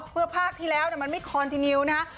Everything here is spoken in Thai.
เพื่อภาคที่แล้วมันไม่คอนทีนิวนะฮะ